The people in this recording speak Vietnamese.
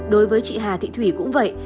đối với chị hà thị thủy cũng vậy